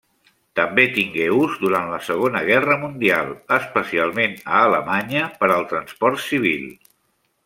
També tingué ús durant la Segona Guerra Mundial, especialment a Alemanya, per al transport civil.